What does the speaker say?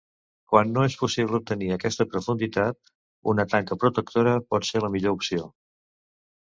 Quan no és possible obtenir aquesta profunditat, una tanca protectora pot ser la millor opció.